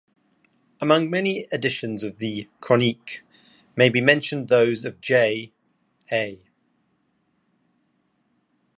Among many editions of the "Chronique" may be mentioned those of J.-A.